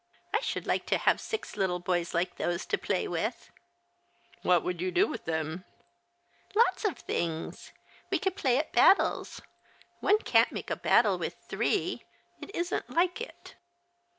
I should like to have six little boys like those to play with !"" What would you do with them ?"" Lots of things. We could play at Ijattles — one can't make a battle with three. It isn't like it."